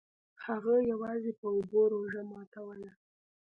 هغه یوازې په اوبو روژه ماتوله.